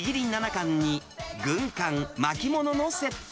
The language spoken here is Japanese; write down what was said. カンに軍艦、巻き物のセット。